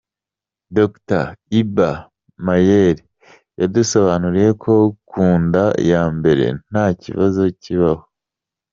Dr Iba Mayere yadusobanuriye ko ku nda ya mbere nta kibazo kibaho.